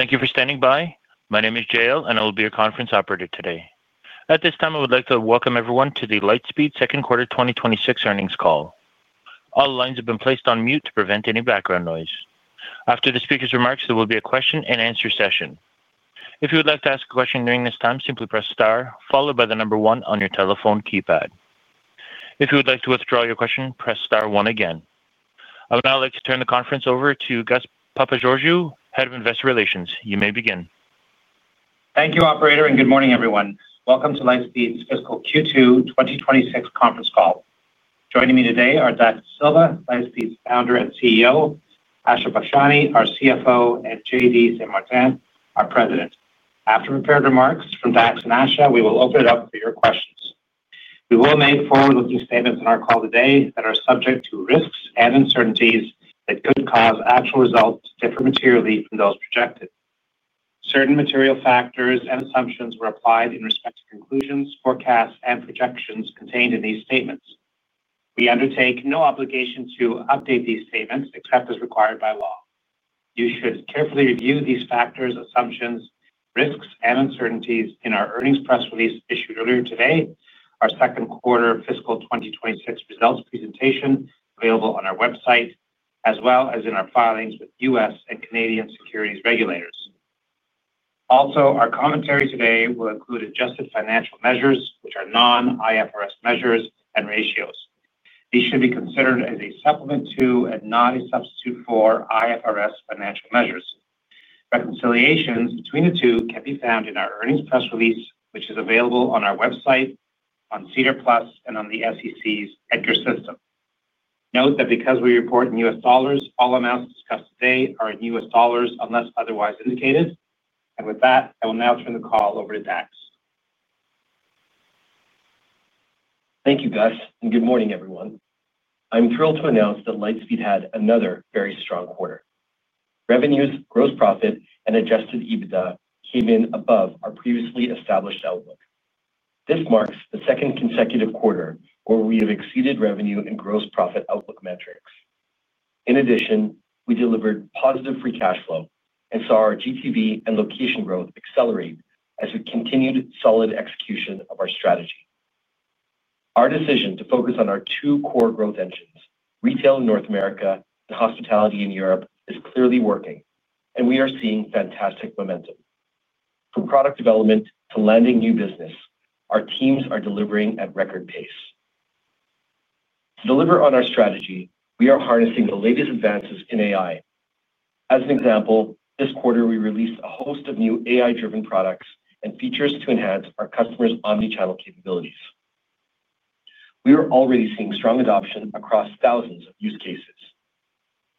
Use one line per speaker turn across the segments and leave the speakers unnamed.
Thank you for standing by. My name is [Jayl], and I will be your conference operator today. At this time, I would like to welcome everyone to the Lightspeed Second Quarter 2026 Earnings Call. All lines have been placed on mute to prevent any background noise. After the speaker's remarks, there will be a question-and-answer session. If you would like to ask a question during this time, simply press star, followed by the number one on your telephone keypad. If you would like to withdraw your question, press star one again. I would now like to turn the conference over to Gus Papageorgiou, Head of Investor Relations. You may begin.
Thank you, operator, and good morning, everyone. Welcome to Lightspeed's Fiscal Q2 2026 Conference Call. Joining me today are Dax Dasilva, Lightspeed's founder and CEO; Asha Bakshani, our CFO; and JD Saint-Martin, our President. After prepared remarks from Dax and Asha, we will open it up for your questions. We will make forward-looking statements on our call today that are subject to risks and uncertainties that could cause actual results different materially from those projected. Certain material factors and assumptions were applied in respect to conclusions, forecasts, and projections contained in these statements. We undertake no obligation to update these statements except as required by law. You should carefully review these factors, assumptions, risks, and uncertainties in our earnings press release issued earlier today, our Second Quarter Fiscal 2026 results presentation available on our website, as well as in our filings with U.S. and Canadian securities regulators. Also, our commentary today will include adjusted financial measures, which are non-IFRS measures and ratios. These should be considered as a supplement to and not a substitute for IFRS financial measures. Reconciliations between the two can be found in our earnings press release, which is available on our website, on SEDAR+, and on the SEC's EDGAR system. Note that because we report in U.S. dollars, all amounts discussed today are in U.S. dollars unless otherwise indicated. With that, I will now turn the call over to Dax.
Thank you, Gus, and good morning, everyone. I'm thrilled to announce that Lightspeed had another very strong quarter. Revenues, gross profit, and adjusted EBITDA came in above our previously established outlook. This marks the second consecutive quarter where we have exceeded revenue and gross profit outlook metrics. In addition, we delivered positive free cash flow and saw our GTV and location growth accelerate as we continued solid execution of our strategy. Our decision to focus on our two core growth engines, retail in North America and hospitality in Europe, is clearly working, and we are seeing fantastic momentum. From product development to landing new business, our teams are delivering at record pace. To deliver on our strategy, we are harnessing the latest advances in AI. As an example, this quarter we released a host of new AI-driven products and features to enhance our customers' omnichannel capabilities. We are already seeing strong adoption across thousands of use cases.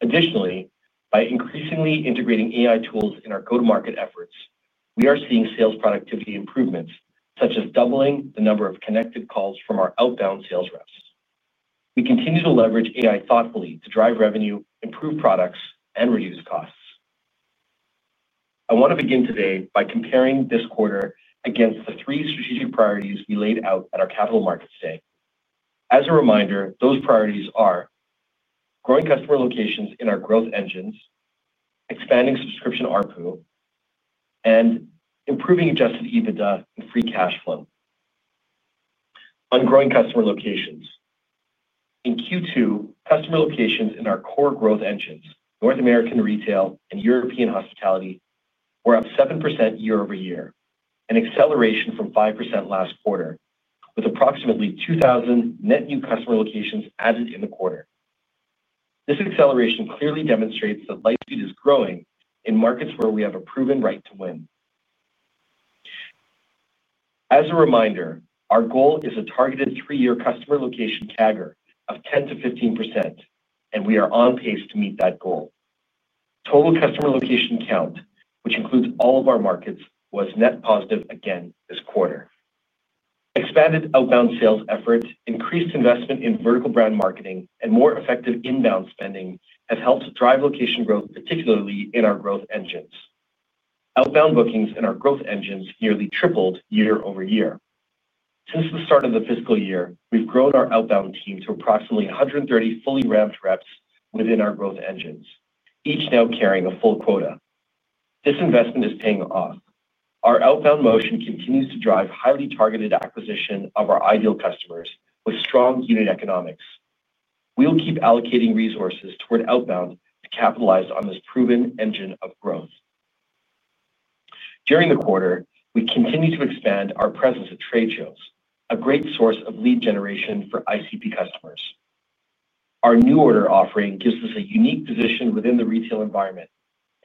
Additionally, by increasingly integrating AI tools in our go-to-market efforts, we are seeing sales productivity improvements such as doubling the number of connected calls from our outbound sales reps. We continue to leverage AI thoughtfully to drive revenue, improve products, and reduce costs. I want to begin today by comparing this quarter against the three strategic priorities we laid out at our Capital Markets Day. As a reminder, those priorities are growing customer locations in our growth engines, expanding subscription ARPU, and improving adjusted EBITDA and free cash flow. On growing customer locations, in Q2, customer locations in our core growth engines, North American retail and European hospitality, were up 7% year-over-year, an acceleration from 5% last quarter, with approximately 2,000 net new customer locations added in the quarter. This acceleration clearly demonstrates that Lightspeed is growing in markets where we have a proven right to win. As a reminder, our goal is a targeted three-year customer location CAGR of 10-15%, and we are on pace to meet that goal. Total customer location count, which includes all of our markets, was net positive again this quarter. Expanded outbound sales effort, increased investment in vertical brand marketing, and more effective inbound spending have helped drive location growth, particularly in our growth engines. Outbound bookings in our growth engines nearly tripled year-over-year. Since the start of the fiscal year, we've grown our outbound team to approximately 130 fully-rammed reps within our growth engines, each now carrying a full quota. This investment is paying off. Our outbound motion continues to drive highly targeted acquisition of our ideal customers with strong unit economics. We will keep allocating resources toward outbound to capitalize on this proven engine of growth. During the quarter, we continue to expand our presence at trade shows, a great source of lead generation for ICP customers. Our NuORDER offering gives us a unique position within the retail environment,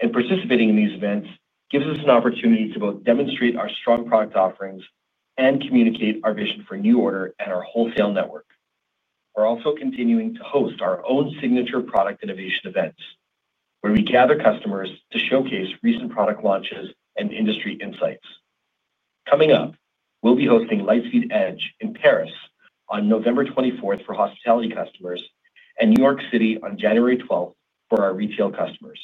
and participating in these events gives us an opportunity to both demonstrate our strong product offerings and communicate our vision for NuORDER and our wholesale network. We're also continuing to host our own signature product innovation events, where we gather customers to showcase recent product launches and industry insights. Coming up, we'll be hosting Lightspeed Edge in Paris on November 24th for hospitality customers and New York City on January 12th for our retail customers.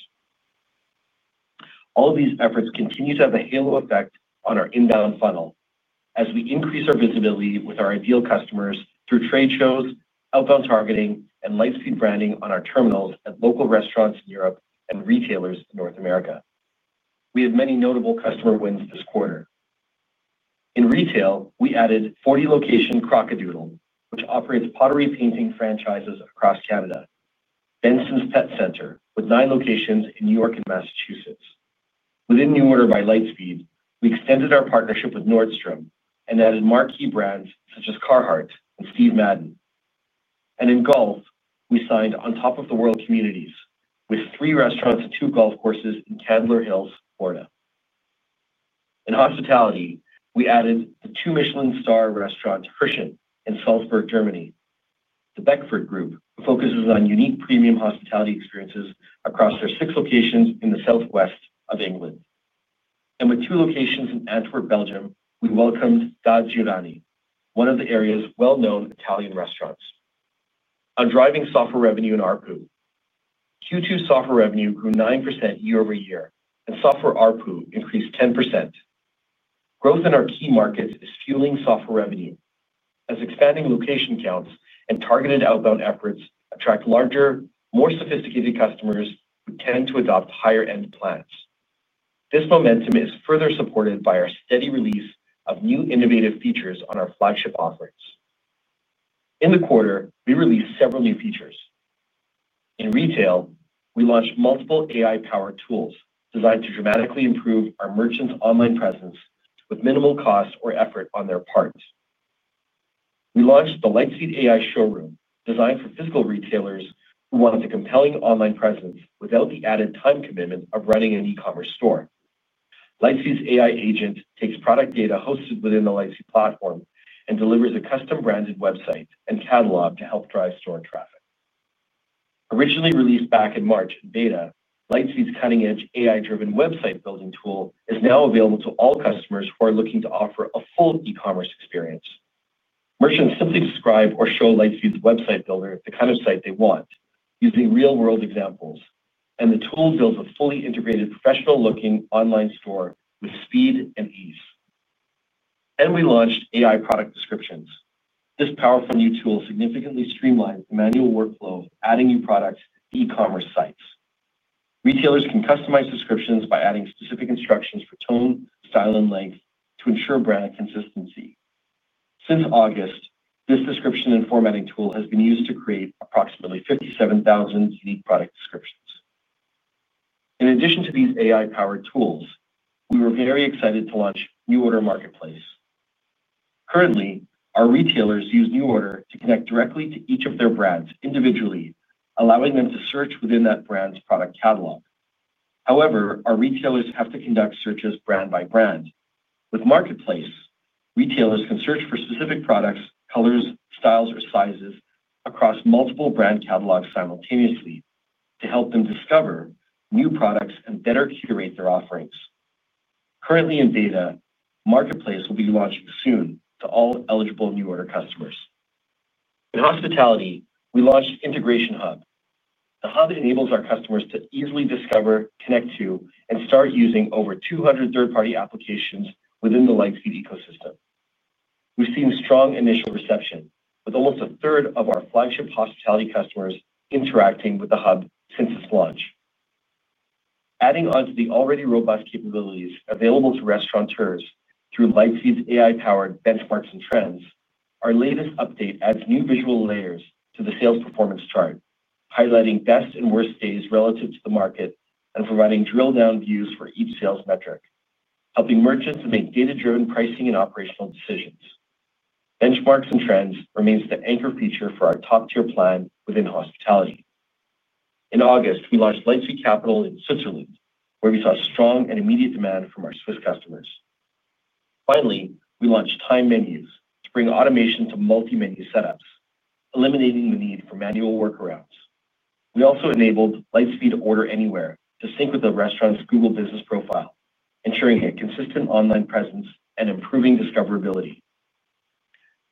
All of these efforts continue to have a halo effect on our inbound funnel as we increase our visibility with our ideal customers through trade shows, outbound targeting, and Lightspeed branding on our terminals at local restaurants in Europe and retailers in North America. We have many notable customer wins this quarter. In retail, we added 40-location Crock A Doodle, which operates pottery painting franchises across Canada, Benson's Pet Center with nine locations in New York and Massachusetts. Within NuORDER by Lightspeed, we extended our partnership with Nordstrom and added marquee brands such as Carhartt and Steve Madden. In golf, we signed On Top of the World Communities with three restaurants and two golf courses in Candler Hills, Florida. In hospitality, we added the two Michelin star restaurants Hirschen in Salzburg, Germany. The Beckford Group focuses on unique premium hospitality experiences across their six locations in the southwest of England. With two locations in Antwerp, Belgium, we welcomed Da Giovanni, one of the area's well-known Italian restaurants. On driving software revenue and ARPU, Q2 software revenue grew 9% year-over-year, and software ARPU increased 10%. Growth in our key markets is fueling software revenue as expanding location counts and targeted outbound efforts attract larger, more sophisticated customers who tend to adopt higher-end plans. This momentum is further supported by our steady release of new innovative features on our flagship offerings. In the quarter, we released several new features. In retail, we launched multiple AI-powered tools designed to dramatically improve our merchants' online presence with minimal cost or effort on their parts. We launched the Lightspeed AI Showroom, designed for physical retailers who want a compelling online presence without the added time commitment of running an e-commerce store. Lightspeed's AI agent takes product data hosted within the Lightspeed platform and delivers a custom-branded website and catalog to help drive store traffic. Originally released back in March in beta, Lightspeed's cutting-edge AI-driven website building tool is now available to all customers who are looking to offer a full e-commerce experience. Merchants simply describe or show Lightspeed's website builder the kind of site they want using real-world examples, and the tool builds a fully integrated, professional-looking online store with speed and ease. We launched AI product descriptions. This powerful new tool significantly streamlines the manual workflow of adding new products to e-commerce sites. Retailers can customize descriptions by adding specific instructions for tone, style, and length to ensure brand consistency. Since August, this description and formatting tool has been used to create approximately 57,000 unique product descriptions. In addition to these AI-powered tools, we were very excited to launch NuORDER Marketplace. Currently, our retailers use NuORDER to connect directly to each of their brands individually, allowing them to search within that brand's product catalog. However, our retailers have to conduct searches brand by brand. With Marketplace, retailers can search for specific products, colors, styles, or sizes across multiple brand catalogs simultaneously to help them discover new products and better curate their offerings. Currently in beta, Marketplace will be launching soon to all eligible NuORDER customers. In hospitality, we launched Integration Hub. The hub enables our customers to easily discover, connect to, and start using over 200 third-party applications within the Lightspeed ecosystem. We've seen strong initial reception, with almost a third of our flagship hospitality customers interacting with the hub since its launch. Adding on to the already robust capabilities available to restaurateurs through Lightspeed's AI-powered benchmarks and trends, our latest update adds new visual layers to the sales performance chart, highlighting best and worst days relative to the market and providing drill-down views for each sales metric, helping merchants make data-driven pricing and operational decisions. Benchmarks and trends remain the anchor feature for our top-tier plan within hospitality. In August, we launched Lightspeed Capital in Switzerland, where we saw strong and immediate demand from our Swiss customers. Finally, we launched time menus to bring automation to multi-menu setups, eliminating the need for manual workarounds. We also enabled Lightspeed Order Anywhere to sync with the restaurant's Google Business Profile, ensuring a consistent online presence and improving discoverability.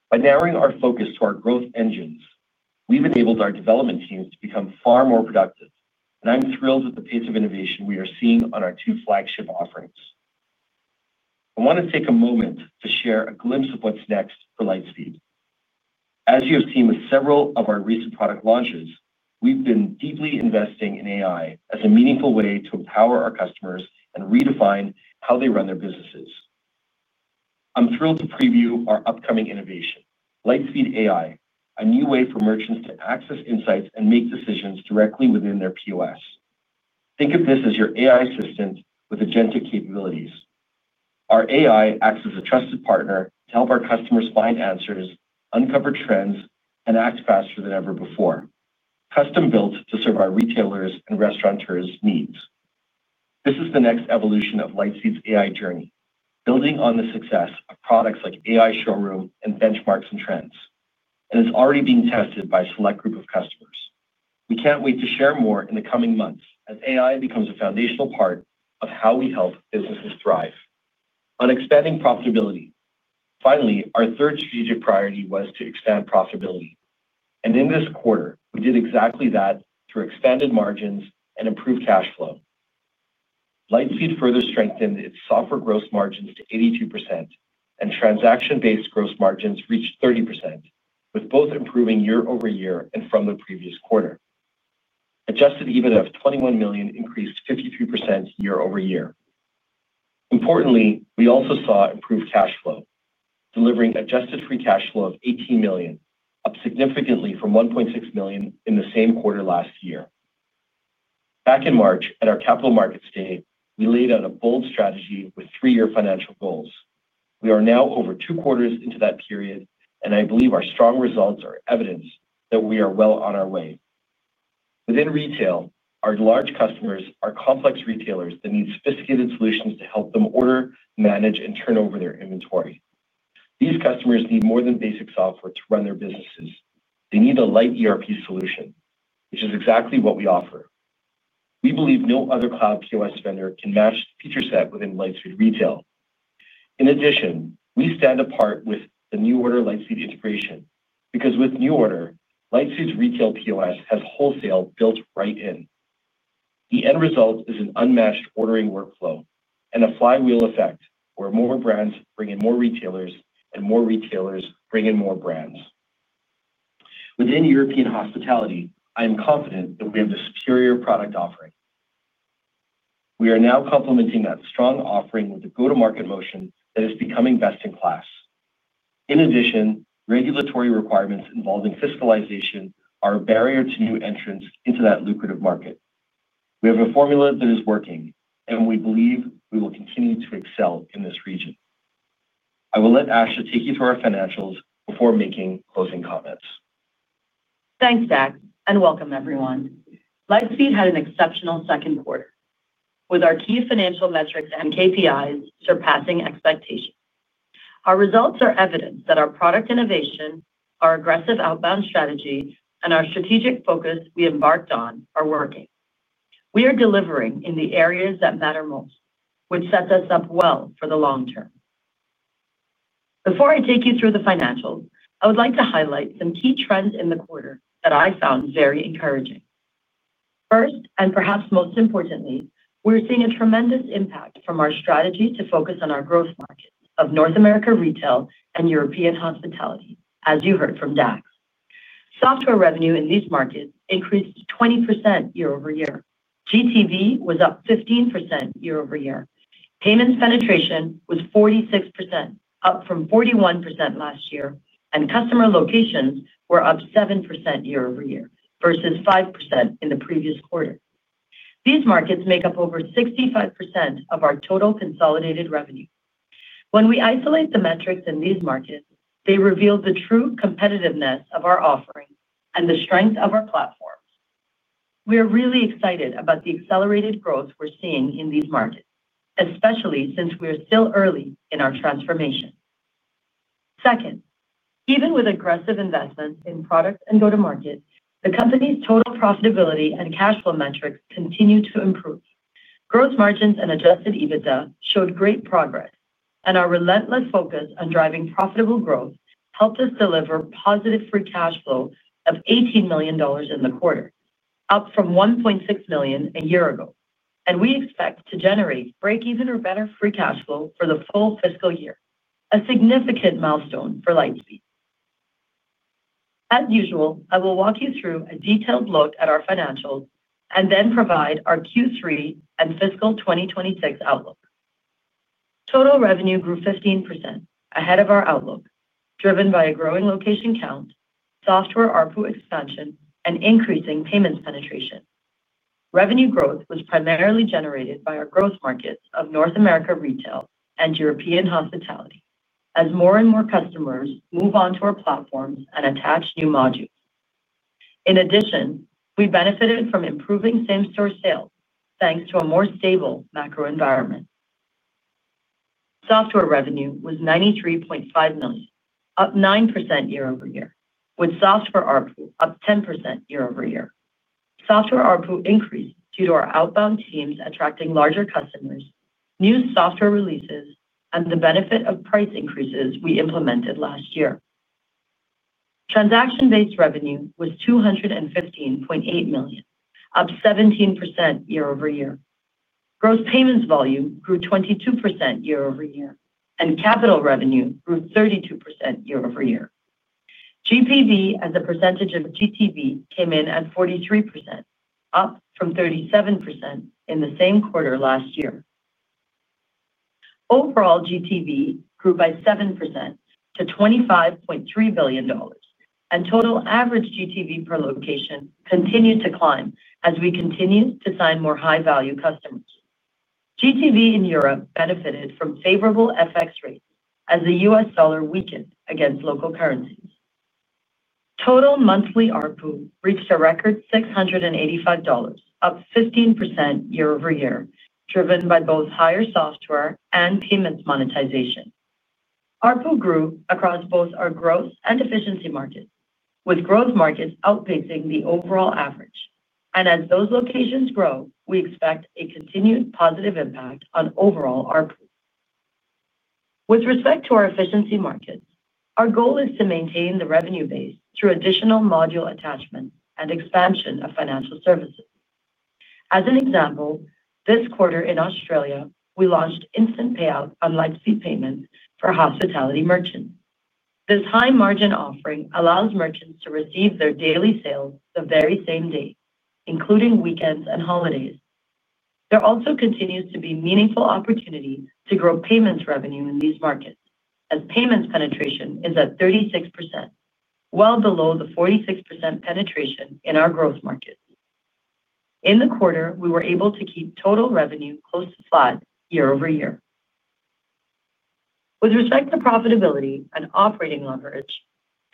By narrowing our focus to our growth engines, we've enabled our development teams to become far more productive, and I'm thrilled with the pace of innovation we are seeing on our two flagship offerings. I want to take a moment to share a glimpse of what's next for Lightspeed. As you have seen with several of our recent product launches, we've been deeply investing in AI as a meaningful way to empower our customers and redefine how they run their businesses. I'm thrilled to preview our upcoming innovation, Lightspeed AI, a new way for merchants to access insights and make decisions directly within their POS. Think of this as your AI assistant with agentic capabilities. Our AI acts as a trusted partner to help our customers find answers, uncover trends, and act faster than ever before, custom-built to serve our retailers and restaurateurs' needs. This is the next evolution of Lightspeed's AI journey, building on the success of products like AI Showroom and benchmarks and trends, and it's already being tested by a select group of customers. We can't wait to share more in the coming months as AI becomes a foundational part of how we help businesses thrive. On expanding profitability, finally, our third strategic priority was to expand profitability. In this quarter, we did exactly that through expanded margins and improved cash flow. Lightspeed further strengthened its software gross margins to 82%, and transaction-based gross margins reached 30%, with both improving year-over-year and from the previous quarter. Adjusted EBITDA of $21 million increased 53% year-over-year. Importantly, we also saw improved cash flow, delivering adjusted free cash flow of $18 million, up significantly from $1.6 million in the same quarter last year. Back in March at our Capital Markets Day, we laid out a bold strategy with three-year financial goals. We are now over two quarters into that period, and I believe our strong results are evidence that we are well on our way. Within retail, our large customers are complex retailers that need sophisticated solutions to help them order, manage, and turn over their inventory. These customers need more than basic software to run their businesses. They need a light ERP solution, which is exactly what we offer. We believe no other cloud POS vendor can match the feature set within Lightspeed Retail. In addition, we stand apart with the NuORDER by Lightspeed integration because with NuORDER, Lightspeed's retail POS has wholesale built right in. The end result is an unmatched ordering workflow and a flywheel effect where more brands bring in more retailers and more retailers bring in more brands. Within European hospitality, I am confident that we have the superior product offering. We are now complementing that strong offering with a go-to-market motion that is becoming best in class. In addition, regulatory requirements involving fiscalization are a barrier to new entrants into that lucrative market. We have a formula that is working, and we believe we will continue to excel in this region. I will let Asha take you through our financials before making closing comments.
Thanks, Dax, and welcome, everyone. Lightspeed had an exceptional second quarter with our key financial metrics and KPIs surpassing expectations. Our results are evidence that our product innovation, our aggressive outbound strategy, and our strategic focus we embarked on are working. We are delivering in the areas that matter most, which sets us up well for the long term. Before I take you through the financials, I would like to highlight some key trends in the quarter that I found very encouraging. First, and perhaps most importantly, we're seeing a tremendous impact from our strategy to focus on our growth markets of North America retail and European hospitality, as you heard from Dax. Software revenue in these markets increased 20% year-over-year. GTV was up 15% year-over-year. Payments penetration was 46%, up from 41% last year, and customer locations were up 7% year-over-year versus 5% in the previous quarter. These markets make up over 65% of our total consolidated revenue. When we isolate the metrics in these markets, they reveal the true competitiveness of our offering and the strength of our platforms. We are really excited about the accelerated growth we're seeing in these markets, especially since we are still early in our transformation. Second, even with aggressive investments in product and go-to-market, the company's total profitability and cash flow metrics continue to improve. Gross margins and adjusted EBITDA showed great progress, and our relentless focus on driving profitable growth helped us deliver positive free cash flow of $18 million in the quarter, up from $1.6 million a year ago. We expect to generate break-even or better free cash flow for the full fiscal year, a significant milestone for Lightspeed. As usual, I will walk you through a detailed look at our financials and then provide our Q3 and fiscal 2026 outlook. Total revenue grew 15% ahead of our outlook, driven by a growing location count, software ARPU expansion, and increasing payments penetration. Revenue growth was primarily generated by our growth markets of North America retail and European hospitality, as more and more customers move on to our platforms and attach new modules. In addition, we benefited from improving same-store sales thanks to a more stable macro environment. Software revenue was $93.5 million, up 9% year-over-year, with software ARPU up 10% year-over-year. Software ARPU increased due to our outbound teams attracting larger customers, new software releases, and the benefit of price increases we implemented last year. Transaction-based revenue was $215.8 million, up 17% year-over-year. Gross payments volume grew 22% year-over-year, and capital revenue grew 32% year-over-year. GPV, as a percentage of GTV, came in at 43%, up from 37% in the same quarter last year. Overall, GTV grew by 7% to $25.3 billion, and total average GTV per location continued to climb as we continued to sign more high-value customers. GTV in Europe benefited from favorable FX rates as the U.S. dollar weakened against local currencies. Total monthly ARPU reached a record $685, up 15% year-over-year, driven by both higher software and payments monetization. ARPU grew across both our growth and efficiency markets, with growth markets outpacing the overall average. As those locations grow, we expect a continued positive impact on overall ARPU. With respect to our efficiency markets, our goal is to maintain the revenue base through additional module attachments and expansion of financial services. As an example, this quarter in Australia, we launched instant payout on Lightspeed Payments for hospitality merchants. This high-margin offering allows merchants to receive their daily sales the very same day, including weekends and holidays. There also continues to be meaningful opportunities to grow payments revenue in these markets, as payments penetration is at 36%, well below the 46% penetration in our growth markets. In the quarter, we were able to keep total revenue close to flat year-over-year. With respect to profitability and operating leverage,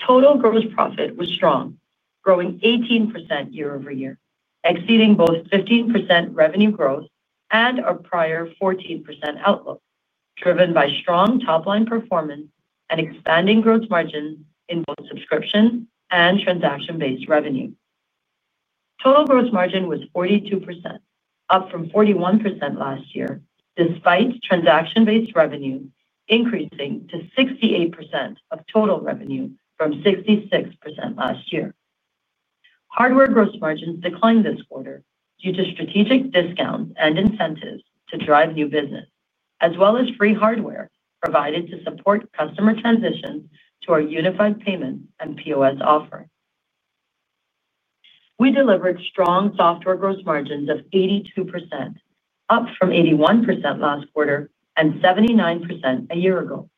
total gross profit was strong, growing 18% year-over-year, exceeding both 15% revenue growth and our prior 14% outlook, driven by strong top-line performance and expanding gross margins in both subscription and transaction-based revenue. Total gross margin was 42%, up from 41% last year, despite transaction-based revenue increasing to 68% of total revenue from 66% last year. Hardware gross margins declined this quarter due to strategic discounts and incentives to drive new business, as well as free hardware provided to support customer transitions to our unified payments and POS offer. We delivered strong software gross margins of 82%, up from 81% last quarter and 79% a year ago.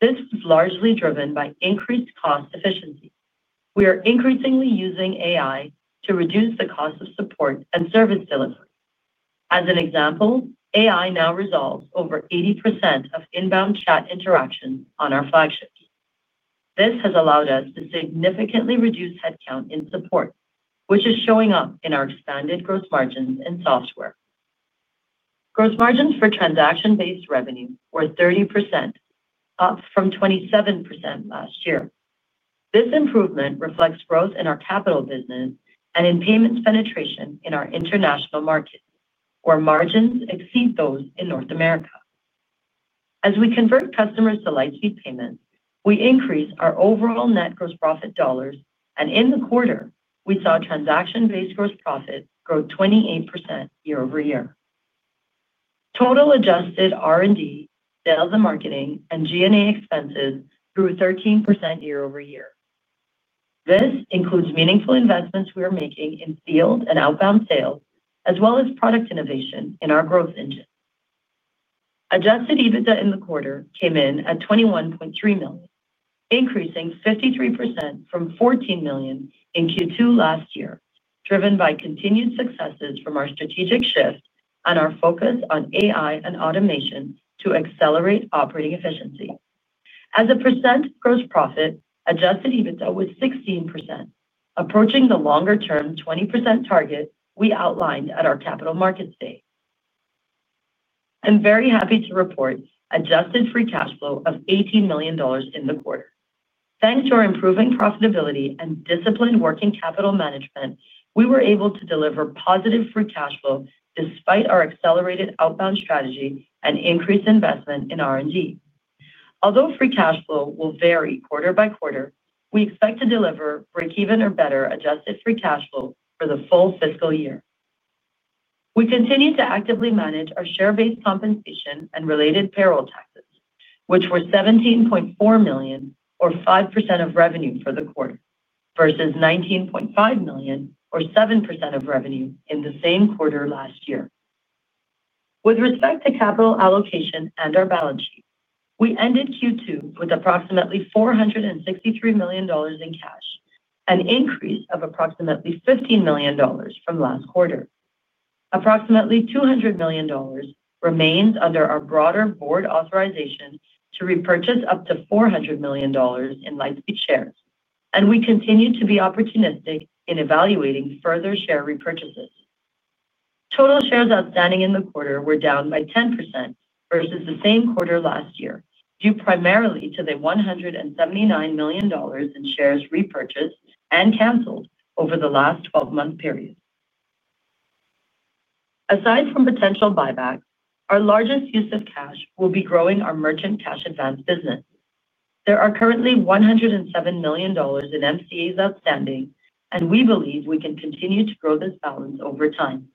This was largely driven by increased cost efficiency. We are increasingly using AI to reduce the cost of support and service delivery. As an example, AI now resolves over 80% of inbound chat interactions on our flagships. This has allowed us to significantly reduce headcount in support, which is showing up in our expanded gross margins in software. Gross margins for transaction-based revenue were 30%, up from 27% last year. This improvement reflects growth in our Capital business and in payments penetration in our international markets, where margins exceed those in North America. As we convert customers to Lightspeed Payments, we increase our overall net gross profit dollars, and in the quarter, we saw transaction-based gross profit grow 28% year-over-year. Total adjusted R&D, sales and marketing, and G&A expenses grew 13% year-over-year. This includes meaningful investments we are making in field and outbound sales, as well as product innovation in our growth engine. Adjusted EBITDA in the quarter came in at $21.3 million, increasing 53% from $14 million in Q2 last year, driven by continued successes from our strategic shift and our focus on AI and automation to accelerate operating efficiency. As a percent gross profit, adjusted EBITDA was 16%, approaching the longer-term 20% target we outlined at our Capital Markets Day. I'm very happy to report adjusted free cash flow of $18 million in the quarter. Thanks to our improving profitability and disciplined working capital management, we were able to deliver positive free cash flow despite our accelerated outbound strategy and increased investment in R&D. Although free cash flow will vary quarter by quarter, we expect to deliver break-even or better adjusted free cash flow for the full fiscal year. We continue to actively manage our share-based compensation and related payroll taxes, which were $17.4 million, or 5% of revenue for the quarter, versus $19.5 million, or 7% of revenue in the same quarter last year. With respect to capital allocation and our balance sheet, we ended Q2 with approximately $463 million in cash, an increase of approximately $15 million from last quarter. Approximately $200 million remains under our broader board authorization to repurchase up to $400 million in Lightspeed shares, and we continue to be opportunistic in evaluating further share repurchases. Total shares outstanding in the quarter were down by 10% versus the same quarter last year, due primarily to the $179 million in shares repurchased and canceled over the last 12-month period. Aside from potential buybacks, our largest use of cash will be growing our merchant cash advance business. There are currently $107 million in MCAs outstanding, and we believe we can continue to grow this balance over time.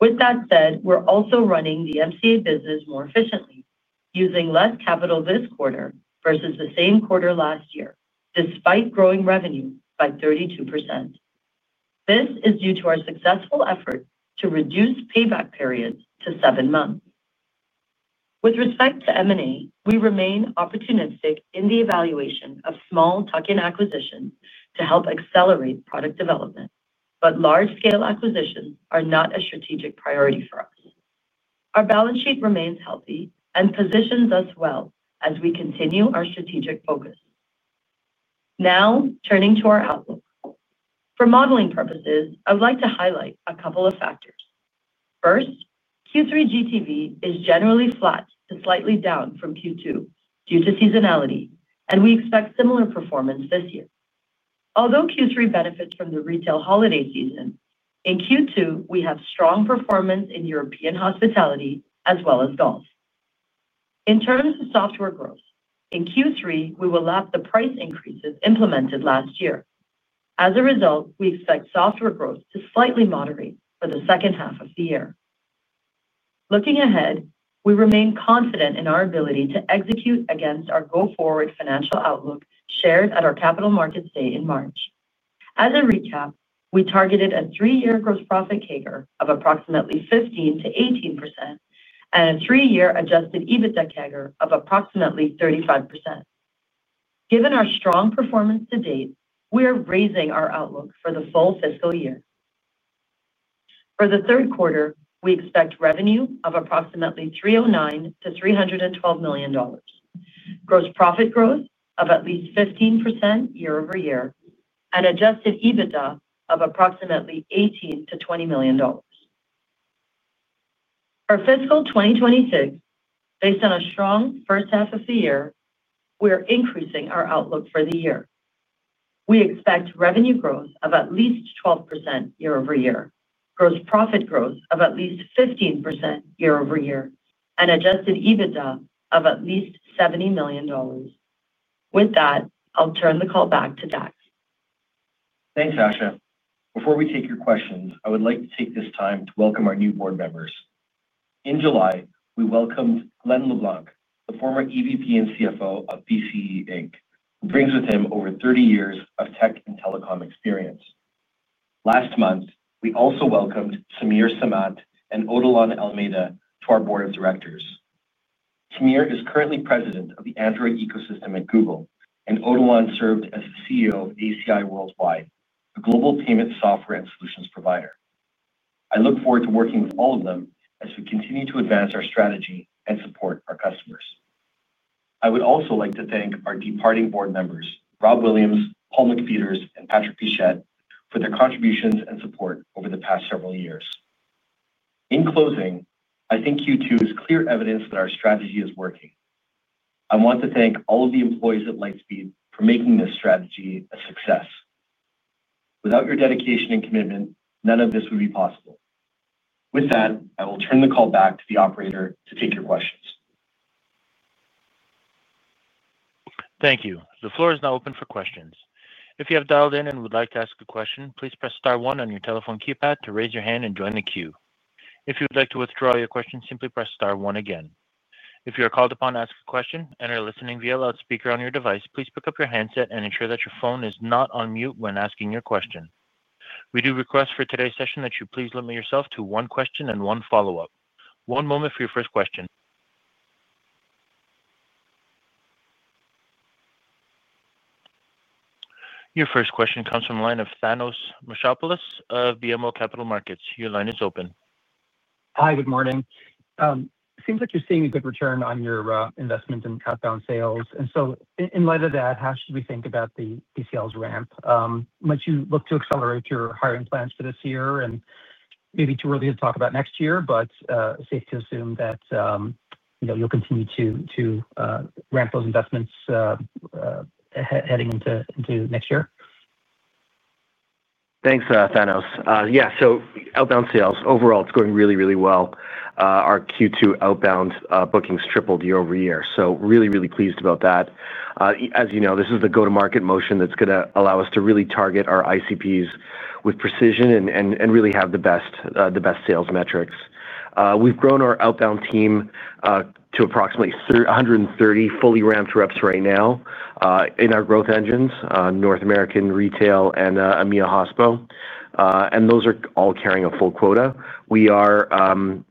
With that said, we're also running the MCA business more efficiently, using less capital this quarter versus the same quarter last year, despite growing revenue by 32%. This is due to our successful effort to reduce payback periods to seven months. With respect to M&A, we remain opportunistic in the evaluation of small tuck-in acquisitions to help accelerate product development, but large-scale acquisitions are not a strategic priority for us. Our balance sheet remains healthy and positions us well as we continue our strategic focus. Now, turning to our outlook. For modeling purposes, I would like to highlight a couple of factors. First, Q3 GTV is generally flat to slightly down from Q2 due to seasonality, and we expect similar performance this year. Although Q3 benefits from the retail holiday season, in Q2, we have strong performance in European hospitality as well as golf. In terms of software growth, in Q3, we will lap the price increases implemented last year. As a result, we expect software growth to slightly moderate for the second half of the year. Looking ahead, we remain confident in our ability to execute against our go-forward financial outlook shared at our Capital Markets Day in March. As a recap, we targeted a three-year gross profit CAGR of approximately 15%-18%, and a three-year adjusted EBITDA CAGR of approximately 35%. Given our strong performance to date, we are raising our outlook for the full fiscal year. For the third quarter, we expect revenue of approximately $309 million-$312 million, gross profit growth of at least 15% year-over-year, and adjusted EBITDA of approximately $18 million-$20 million. For fiscal 2026, based on a strong first half of the year, we are increasing our outlook for the year. We expect revenue growth of at least 12% year-over-year, gross profit growth of at least 15% year-over-year, and adjusted EBITDA of at least $70 million. With that, I'll turn the call back to Dax.
Thanks, Asha. Before we take your questions, I would like to take this time to welcome our new board members. In July, we welcomed Glen LeBlanc, the former EVP and CFO of BCE Inc., who brings with him over 30 years of tech and telecom experience. Last month, we also welcomed Sameer Samat and Odilon Almeida to our board of directors. Sameer is currently president of the Android ecosystem at Google, and Odilon served as the CEO of ACI Worldwide, a global payment software and solutions provider. I look forward to working with all of them as we continue to advance our strategy and support our customers. I would also like to thank our departing board members, Rob Williams, Paul McFeeters, and Patrick Pichette, for their contributions and support over the past several years. In closing, I think Q2 is clear evidence that our strategy is working. I want to thank all of the employees at Lightspeed for making this strategy a success. Without your dedication and commitment, none of this would be possible. With that, I will turn the call back to the operator to take your questions.
Thank you. The floor is now open for questions. If you have dialed in and would like to ask a question, please press star one on your telephone keypad to raise your hand and join the queue. If you would like to withdraw your question, simply press star one again. If you are called upon to ask a question and are listening via loudspeaker on your device, please pick up your handset and ensure that your phone is not on mute when asking your question. We do request for today's session that you please limit yourself to one question and one follow-up. One moment for your first question. Your first question comes from the line of Thanos Moschopoulos of BMO Capital Markets. Your line is open.
Hi, good morning. It seems like you're seeing a good return on your investment in outbound sales. In light of that, how should we think about the sales ramp? Might you look to accelerate your hiring plans for this year? Maybe too early to talk about next year, but safe to assume that you'll continue to. Ramp those investments. Heading into next year.
Thanks, Thanos. Yeah, so outbound sales, overall, it's going really, really well. Our Q2 outbound bookings tripled year-over-year, so really, really pleased about that. As you know, this is the go-to-market motion that's going to allow us to really target our ICPs with precision and really have the best sales metrics. We've grown our outbound team to approximately 130 fully ramped reps right now. In our growth engines, North American Retail and EMEA Hospo, and those are all carrying a full quota. We are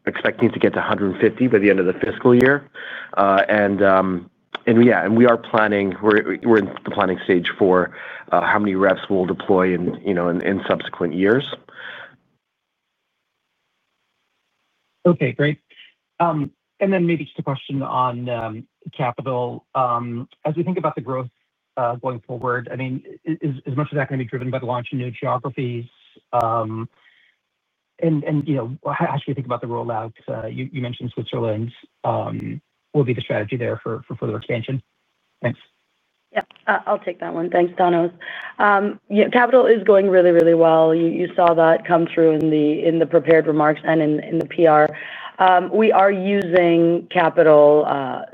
expecting to get to 150 by the end of the fiscal year. Yeah, and we are planning—we're in the planning stage for how many reps we'll deploy in subsequent years.
Okay, great. And then maybe just a question on Capital. As we think about the growth going forward, I mean, is much of that going to be driven by the launch in new geographies? And how should we think about the rollout? You mentioned Switzerland. Will be the strategy there for further expansion. Thanks.
Yep, I'll take that one. Thanks, Thanos. Capital is going really, really well. You saw that come through in the prepared remarks and in the PR. We are using Capital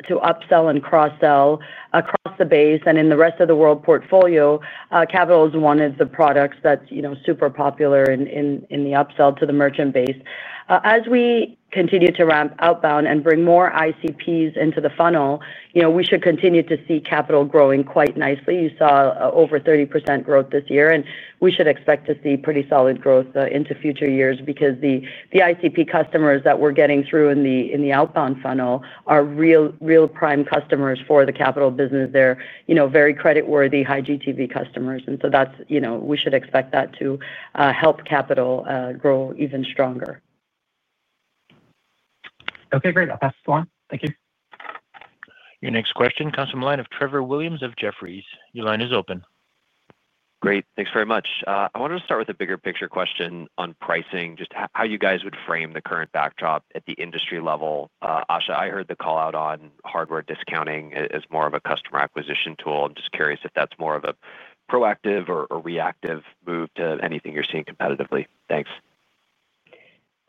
to upsell and cross-sell across the base, and in the rest of the world portfolio, Capital is one of the products that's super popular. In the upsell to the merchant base. As we continue to ramp outbound and bring more ICPs into the funnel, we should continue to see Capital growing quite nicely. You saw over 30% growth this year, and we should expect to see pretty solid growth into future years because the ICP customers that we're getting through in the outbound funnel are real prime customers for the Capital business. They're very creditworthy, high GTV customers, and we should expect that to help Capital grow even stronger.
Okay, great. I'll pass this along. Thank you.
Your next question comes from the line of Trevor Williams of Jefferies. Your line is open.
Great. Thanks very much. I wanted to start with a bigger picture question on pricing, just how you guys would frame the current backdrop at the industry level. Asha, I heard the call out on hardware discounting as more of a customer acquisition tool. I'm just curious if that's more of a proactive or reactive move to anything you're seeing competitively. Thanks.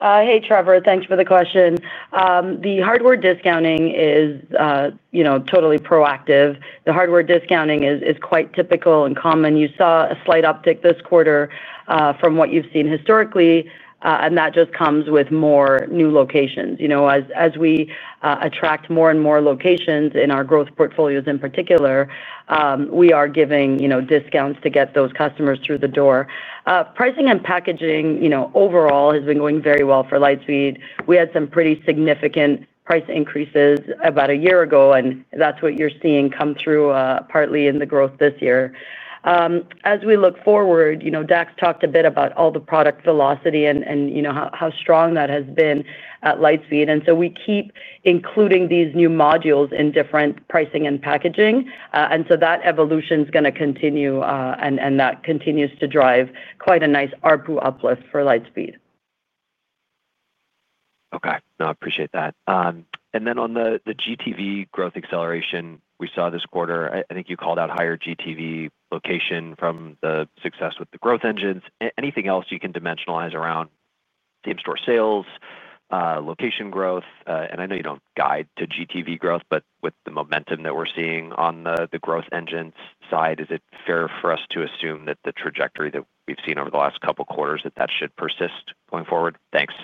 Hey, Trevor, thanks for the question. The hardware discounting is totally proactive. The hardware discounting is quite typical and common. You saw a slight uptick this quarter from what you've seen historically, and that just comes with more new locations. As we attract more and more locations in our growth portfolios in particular, we are giving discounts to get those customers through the door. Pricing and packaging overall has been going very well for Lightspeed. We had some pretty significant price increases about a year ago, and that's what you're seeing come through partly in the growth this year. As we look forward, Dax talked a bit about all the product velocity and how strong that has been at Lightspeed. We keep including these new modules in different pricing and packaging. That evolution is going to continue, and that continues to drive quite a nice ARPU uplift for Lightspeed.
Okay. No, I appreciate that. And then on the GTV growth acceleration, we saw this quarter, I think you called out higher GTV location from the success with the growth engines. Anything else you can dimensionalize around same-store sales, location growth? And I know you don't guide to GTV growth, but with the momentum that we're seeing on the growth engines side, is it fair for us to assume that the trajectory that we've seen over the last couple of quarters, that that should persist going forward? Thanks.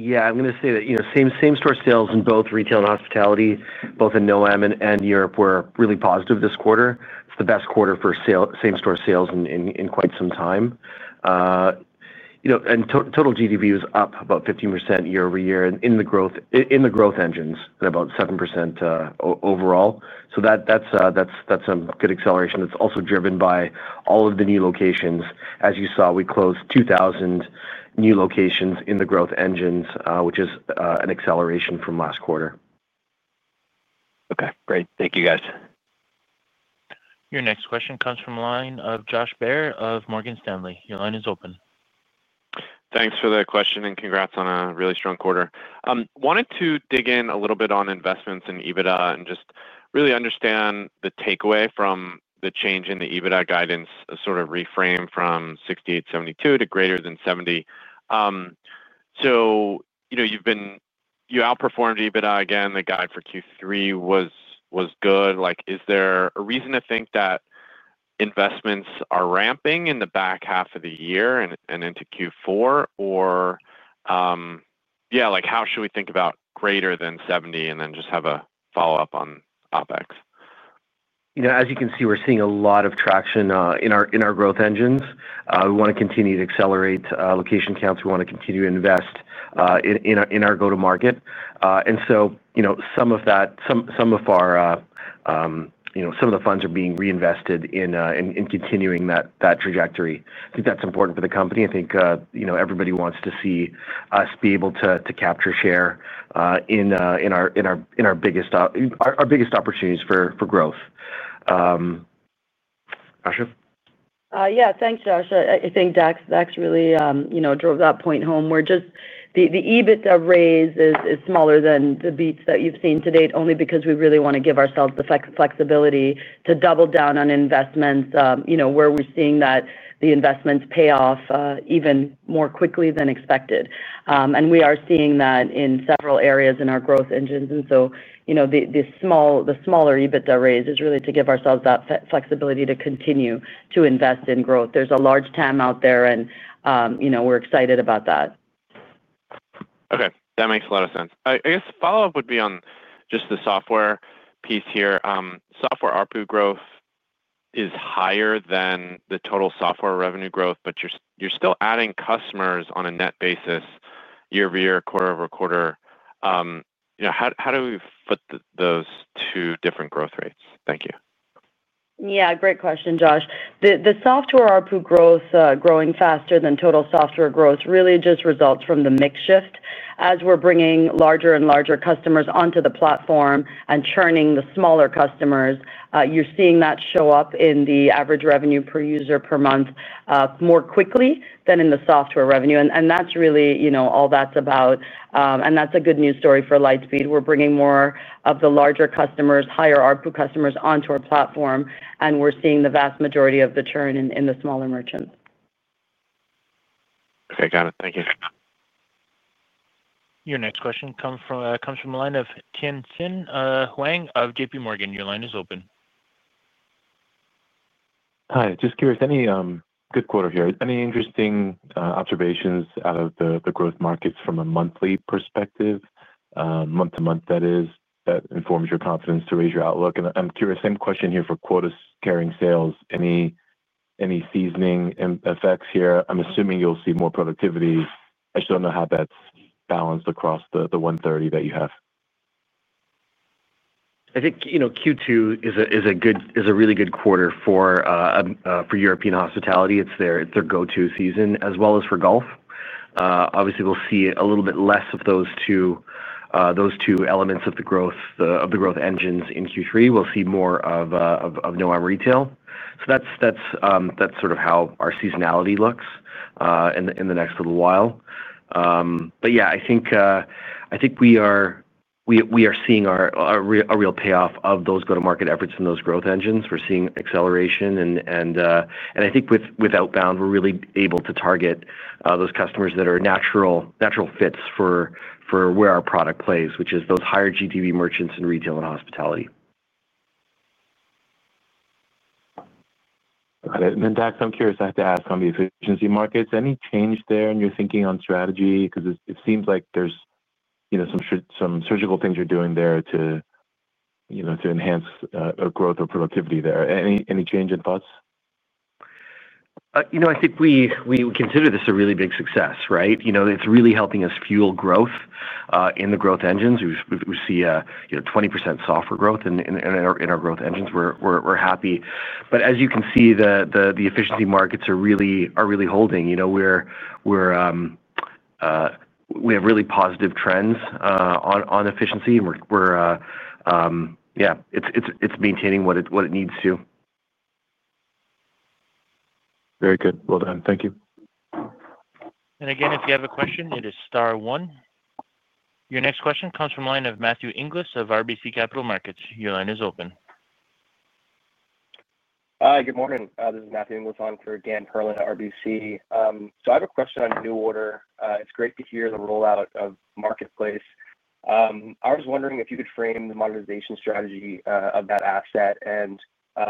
Yeah, I'm going to say that same-store sales in both retail and hospitality, both in NoAm and Europe, were really positive this quarter. It's the best quarter for same-store sales in quite some time. And total GTV was up about 15% year-over-year in the growth engines and about 7% overall. So that's a good acceleration. It's also driven by all of the new locations. As you saw, we closed 2,000 new locations in the growth engines, which is an acceleration from last quarter.
Okay. Great. Thank you, guys.
Your next question comes from the line of Josh Baer of Morgan Stanley. Your line is open.
Thanks for the question and congrats on a really strong quarter. Wanted to dig in a little bit on investments in EBITDA and just really understand the takeaway from the change in the EBITDA guidance, sort of reframe from $68.72 to greater than $70. So you've been. You outperformed EBITDA again. The guide for Q3 was good. Is there a reason to think that investments are ramping in the back half of the year and into Q4? Yeah, how should we think about greater than $70 and then just have a follow-up on OpEx?
As you can see, we're seeing a lot of traction in our growth engines. We want to continue to accelerate location counts. We want to continue to invest in our go-to-market. Some of the funds are being reinvested in continuing that trajectory. I think that's important for the company. I think everybody wants to see us be able to capture share in our biggest opportunities for growth. Asha.
Yeah, thanks, Asha. I think Dax really drove that point home. The EBITDA raise is smaller than the beats that you've seen to date, only because we really want to give ourselves the flexibility to double down on investments where we're seeing that the investments pay off even more quickly than expected. We are seeing that in several areas in our growth engines. The smaller EBITDA raise is really to give ourselves that flexibility to continue to invest in growth. There's a large TAM out there, and we're excited about that.
Okay. That makes a lot of sense. I guess follow-up would be on just the software piece here. Software ARPU growth is higher than the total software revenue growth, but you're still adding customers on a net basis year-over-year, quarter-over-quarter. How do we fit those two different growth rates? Thank you.
Yeah, great question, Josh. The software ARPU growth, growing faster than total software growth, really just results from the mix shift. As we're bringing larger and larger customers onto the platform and churning the smaller customers, you're seeing that show up in the average revenue per user per month more quickly than in the software revenue. That's really all that's about. That's a good news story for Lightspeed. We're bringing more of the larger customers, higher ARPU customers onto our platform, and we're seeing the vast majority of the churn in the smaller merchants.
Okay, got it. Thank you.
Your next question comes from the line of Tien-tsin Huang of JPMorgan. Your line is open.
Hi. Just curious, good quarter here. Any interesting observations out of the growth markets from a monthly perspective? Month-to-month, that is, that informs your confidence to raise your outlook. I'm curious, same question here for quotas carrying sales. Any seasoning effects here? I'm assuming you'll see more productivity. I just don't know how that's balanced across the 130 that you have.
I think Q2 is a really good quarter for European hospitality. It's their go-to season, as well as for golf. Obviously, we'll see a little bit less of those two elements of the growth engines in Q3. We'll see more of NoAm retail. That's sort of how our seasonality looks in the next little while. Yeah, I think we are seeing a real payoff of those go-to-market efforts in those growth engines. We're seeing acceleration. I think with outbound, we're really able to target those customers that are natural fits for where our product plays, which is those higher GTV merchants in retail and hospitality.
Got it. Then, Dax, I'm curious. On the efficiency markets, any change there in your thinking on strategy? It seems like there are some surgical things you're doing there to enhance growth or productivity there. Any change in thoughts?
I think we consider this a really big success, right? It's really helping us fuel growth in the growth engines. We see 20% software growth in our growth engines. We're happy. As you can see, the efficiency markets are really holding. We have really positive trends on efficiency, and we're maintaining what it needs to.
Very good. Well done. Thank you.
Again, if you have a question, it is star one. Your next question comes from the line of Matthew Inglis of RBC Capital Markets. Your line is open.
Hi, good morning. This is Matthew Inglis on for Dan Perlin at RBC. I have a question on NuORDER. It's great to hear the rollout of Marketplace. I was wondering if you could frame the monetization strategy of that asset and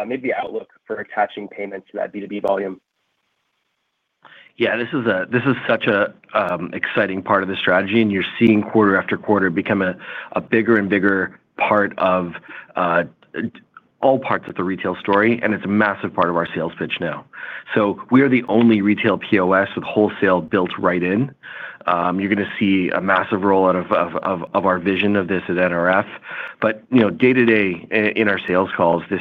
maybe the outlook for attaching payments to that B2B volume.
Yeah, this is such an exciting part of the strategy, and you're seeing quarter after quarter become a bigger and bigger part of. All parts of the retail story, and it is a massive part of our sales pitch now. We are the only retail POS with wholesale built right in. You are going to see a massive rollout of our vision of this at NRF. Day-to-day in our sales calls, it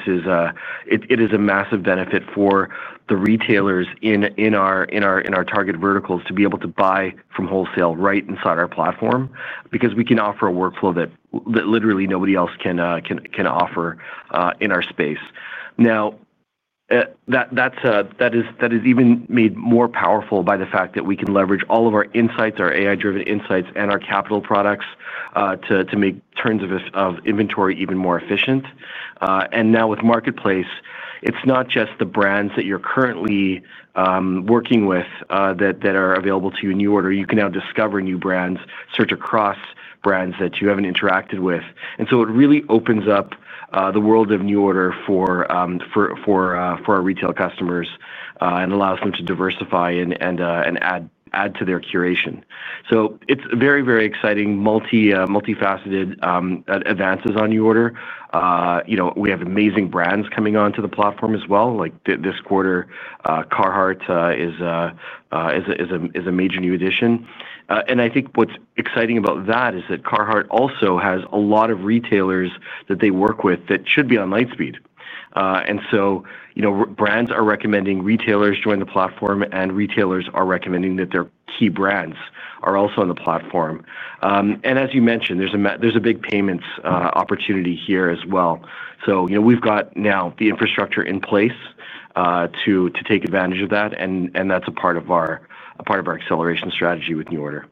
is a massive benefit for the retailers in our target verticals to be able to buy from wholesale right inside our platform because we can offer a workflow that literally nobody else can offer in our space. That is even made more powerful by the fact that we can leverage all of our insights, our AI-driven insights, and our Capital products to make turns of inventory even more efficient. Now with Marketplace, it is not just the brands that you are currently working with that are available to you in NuORDER. You can now discover new brands, search across brands that you haven't interacted with. It really opens up the world of NuORDER for our retail customers and allows them to diversify and add to their curation. It is very, very exciting, multifaceted advances on NuORDER. We have amazing brands coming onto the platform as well. This quarter, Carhartt is a major new addition. I think what is exciting about that is that Carhartt also has a lot of retailers that they work with that should be on Lightspeed. Brands are recommending retailers join the platform, and retailers are recommending that their key brands are also on the platform. As you mentioned, there is a big payments opportunity here as well. We have now the infrastructure in place to take advantage of that, and that is a part of our acceleration strategy with NuORDER.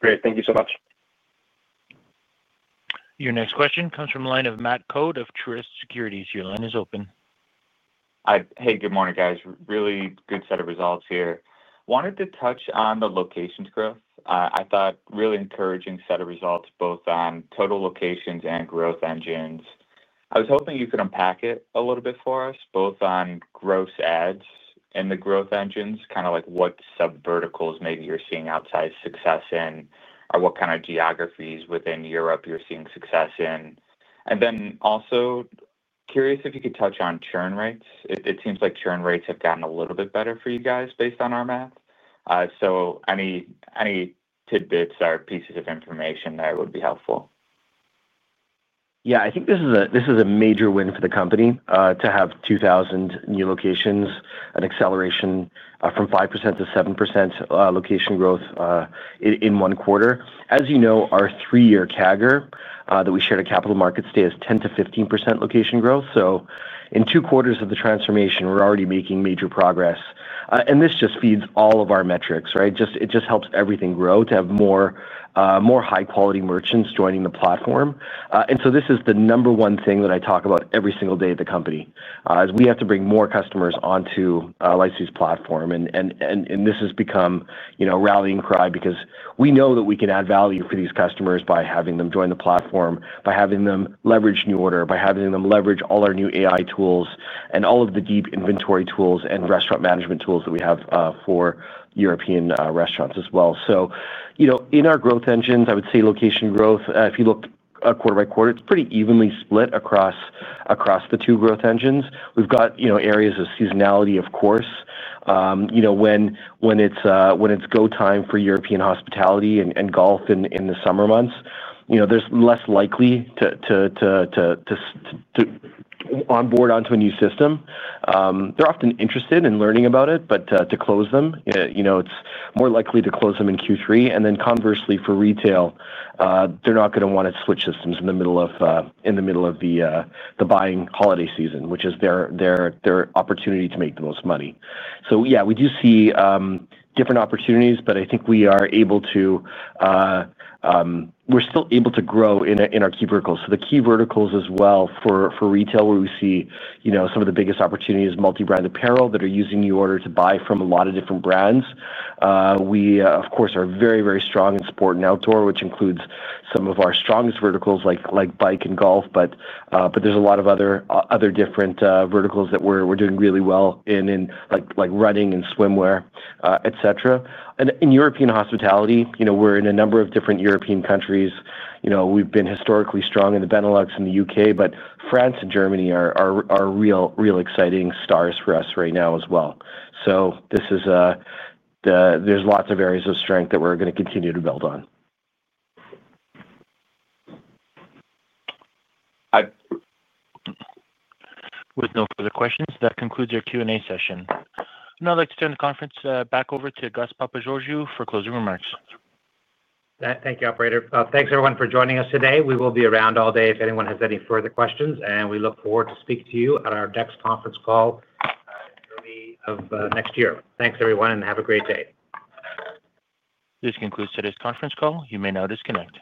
Great. Thank you so much.
Your next question comes from the line of Matt Coad of Truist Securities. Your line is open.
Hi. Hey, good morning, guys. Really good set of results here. Wanted to touch on the locations growth. I thought really encouraging set of results, both on total locations and growth engines. I was hoping you could unpack it a little bit for us, both on gross ads and the growth engines, kind of like what sub-verticals maybe you're seeing outside success in, or what kind of geographies within Europe you're seeing success in. Also, curious if you could touch on churn rates. It seems like churn rates have gotten a little bit better for you guys based on our math. Any tidbits or pieces of information there would be helpful.
Yeah, I think this is a major win for the company to have 2,000 new locations, an acceleration from 5%-7% location growth. In one quarter. As you know, our three-year CAGR that we share to Capital markets stays 10-15% location growth. In two quarters of the transformation, we're already making major progress. This just feeds all of our metrics, right? It just helps everything grow to have more high-quality merchants joining the platform. This is the number one thing that I talk about every single day at the company, is we have to bring more customers onto Lightspeed's platform. This has become a rallying cry because we know that we can add value for these customers by having them join the platform, by having them leverage NuORDER, by having them leverage all our new AI tools and all of the deep inventory tools and restaurant management tools that we have for European restaurants as well. In our growth engines, I would say location growth, if you look quarter by quarter, it is pretty evenly split across the two growth engines. We have got areas of seasonality, of course. When it is go time for European hospitality and golf in the summer months, they are less likely to onboard onto a new system. They are often interested in learning about it, but to close them, it is more likely to close them in Q3. Conversely, for retail, they are not going to want to switch systems in the middle of. The buying holiday season, which is their opportunity to make the most money. Yeah, we do see different opportunities, but I think we are able to. We're still able to grow in our key verticals. The key verticals as well for retail, where we see some of the biggest opportunities, multi-brand apparel that are using NuORDER to buy from a lot of different brands. We, of course, are very, very strong in sport and outdoor, which includes some of our strongest verticals like bike and golf, but there are a lot of other different verticals that we're doing really well in, like running and swimwear, etc. In European hospitality, we're in a number of different European countries. We've been historically strong in the Benelux and the U.K., but France and Germany are real exciting stars for us right now as well. There are lots of areas of strength that we're going to continue to build on.
With no further questions, that concludes your Q&A session. Now I'd like to turn the conference back over to Gus Papageorgiou for closing remarks.
Thank you, operator. Thanks, everyone, for joining us today. We will be around all day if anyone has any further questions, and we look forward to speaking to you at our next conference call in early next year. Thanks, everyone, and have a great day.
This concludes today's conference call. You may now disconnect.